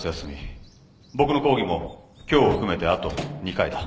僕の講義も今日を含めてあと２回だ。